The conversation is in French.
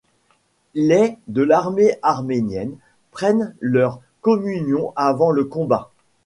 Les de l'armée arménienne prennent leur communion avant le combat.